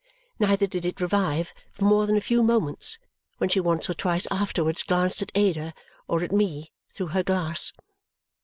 Neither did it revive for more than a few moments when she once or twice afterwards glanced at Ada or at me through her glass.